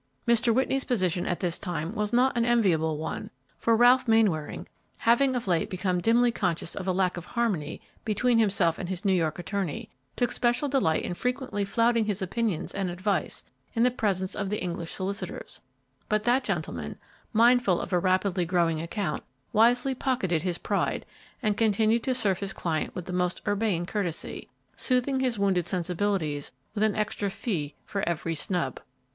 Mr. Whitney's position at this time was not an enviable one, for Ralph Mainwaring, having of late become dimly conscious of a lack of harmony between himself and his New York attorney, took special delight in frequently flouting his opinions and advice in the presence of the English solicitors; but that gentleman, mindful of a rapidly growing account, wisely pocketed his pride, and continued to serve his client with the most urbane courtesy, soothing his wounded sensibilities with an extra fee for every snub.